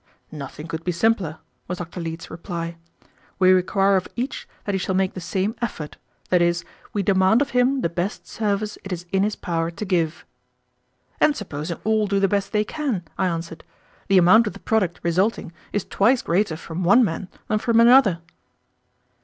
"Nothing could be simpler," was Dr. Leete's reply. "We require of each that he shall make the same effort; that is, we demand of him the best service it is in his power to give." "And supposing all do the best they can," I answered, "the amount of the product resulting is twice greater from one man than from another."